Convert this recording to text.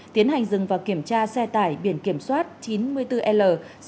tiến hành dừng và kiểm tra xe tải biển kiểm soát chín mươi bốn l sáu nghìn bảy trăm chín mươi ba